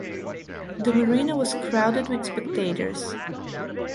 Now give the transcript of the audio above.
The marina was crowded with spectators.